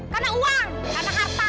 karena uang karena harta